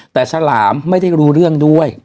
แต่ฉลามไม่ได้รู้เรื่องด้วย